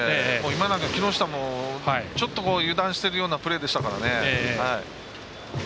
今なんか、木下も油断しているようなプレーでしたからね。